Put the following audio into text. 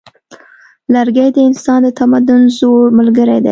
لرګی د انسان د تمدن زوړ ملګری دی.